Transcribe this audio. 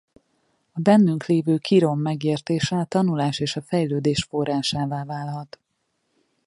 A bennünk lévő Chiron megértése a tanulás és a fejlődés forrásává válhat.